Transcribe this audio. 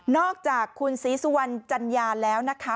อกจากคุณศรีสุวรรณจัญญาแล้วนะคะ